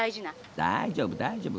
大丈夫大丈夫。